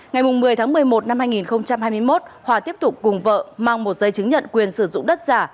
ngày một mươi tháng một mươi một năm hai nghìn hai mươi một hòa tiếp tục cùng vợ mang một giấy chứng nhận quyền sử dụng đất giả